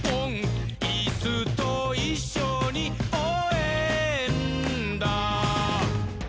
「イスといっしょにおうえんだ！」